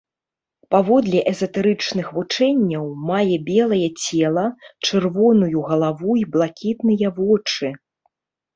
Паводле эзатэрычных вучэнняў мае белае цела, чырвоную галаву і блакітныя вочы.